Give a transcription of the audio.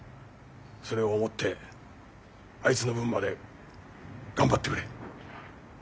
それを思ってあいつの分まで頑張ってくれ。